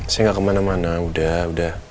saya gak kemana mana udah udah